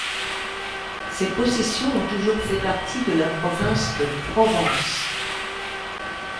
Ces possessions ont toujours fait partie de la province de Provence.